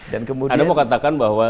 dan kemudian anda mau katakan bahwa